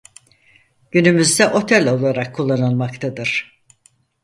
Günümüzde otel olarak kullanılmaktadır.